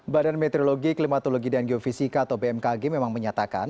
badan meteorologi klimatologi dan geofisika atau bmkg memang menyatakan